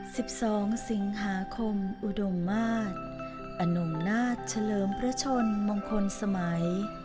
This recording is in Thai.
สิบสองสิงหาคมอุดมมาศอนงนาฏเฉลิมพระชนมงคลสมัย